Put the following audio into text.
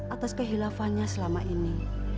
atas kehilafannya selama ini